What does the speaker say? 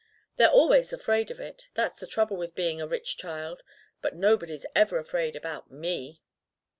They're always afraid of it. That's the trouble with being a rich child. But no body's ever afraid about m^."